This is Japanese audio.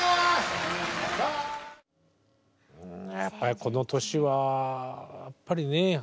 やっぱりこの年はやっぱりね